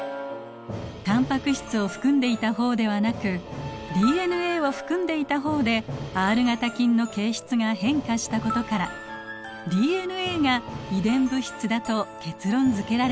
タンパク質を含んでいた方ではなくＤＮＡを含んでいた方でＲ型菌の形質が変化したことからＤＮＡが遺伝物質だと結論づけられたのです。